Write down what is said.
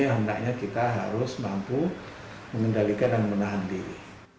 yang hendaknya kita harus mampu mengendalikan dan menahan diri